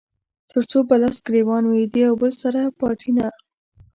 تر څو به لاس ګرېوان وي د يو بل سره پټانــه